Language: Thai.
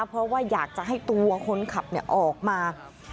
เพราะว่าอยากจะให้ตัวคนขับออกมา